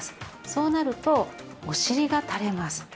そうなるとお尻がたれます。